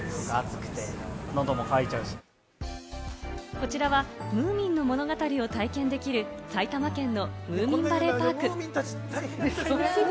こちらはムーミンの物語を体験できる埼玉県のムーミンバレーパーク。